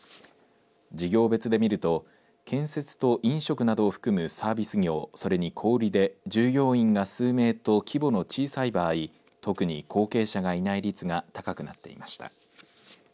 事業別で見ると建設と飲食などを含むサービス業、それに小売りで従業員が数名と規模の小さい場合、特に後継者がいない率が高くなっていました。